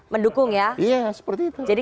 mendukung ya seperti itu jadi